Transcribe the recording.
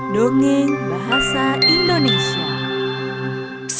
dongeng bahasa indonesia